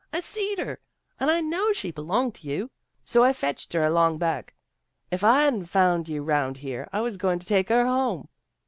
I seed her, and I knowed she b'longed to you, so I fetched her along back. Ef I hadn't found you 'round here, I was going to take her home."